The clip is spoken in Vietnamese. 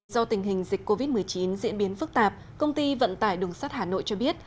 do tình hình dịch covid một mươi chín diễn biến phức tạp công ty vận tải đường sắt hà nội cho biết